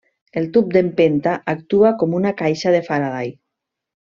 El tub d'empenta actua com una caixa de Faraday.